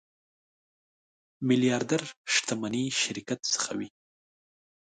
میلیاردر شتمني شرکت څخه وي.